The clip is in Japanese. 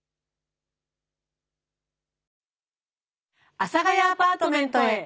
阿佐ヶ谷アパートメントへ。